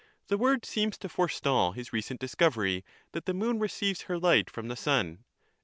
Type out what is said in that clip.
The word seems to forestall his recent discovery, that the moon receives her light from the sun.